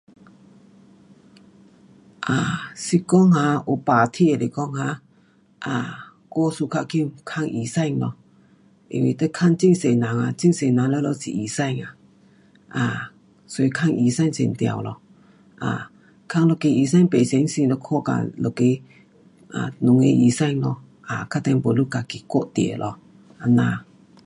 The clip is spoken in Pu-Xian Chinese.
啊，是说哈有病这是说哈，我 suka 去看医生咯，因为你看很多人啊，很多人全部是医生。um 所以看医生是对 um 较要紧医生不相信看隔一个，um 两个医生咯，等下你 baru 自己决定，这样。